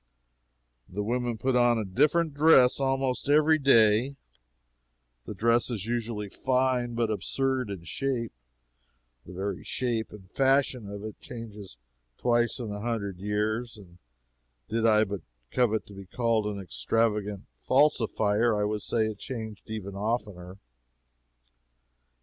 The women put on a different dress almost every day; the dress is usually fine, but absurd in shape; the very shape and fashion of it changes twice in a hundred years; and did I but covet to be called an extravagant falsifier, I would say it changed even oftener.